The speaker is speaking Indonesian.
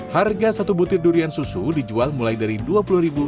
harga satu butir durian susu dijual mulai dari rp dua puluh